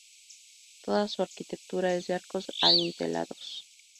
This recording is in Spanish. Toda su arquitectura es de arcos adintelados.